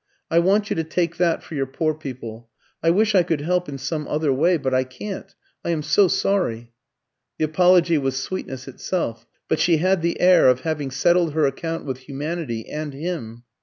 "I want you to take that for your poor people. I wish I could help in some other way, but I can't. I am so sorry." The apology was sweetness itself, but she had the air of having settled her account with humanity and him.